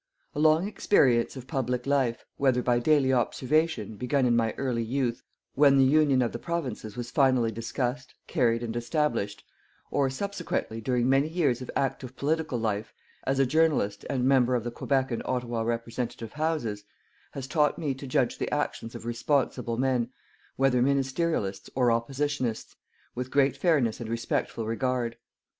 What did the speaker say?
A long experience of public life, whether by daily observation, begun in my early youth, when the Union of the Provinces was finally discussed, carried and established, or, subsequently, during many years of active political life as a journalist and member of the Quebec and Ottawa representative Houses, has taught me to judge the actions of responsible men, whether ministerialists or oppositionists, with great fairness and respectful regard.